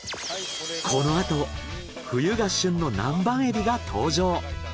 このあと冬が旬の南蛮エビが登場。